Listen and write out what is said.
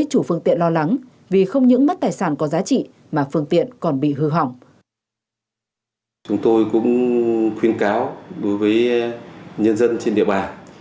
các đối tượng cũng khuyên cáo đối với nhân dân trên địa bàn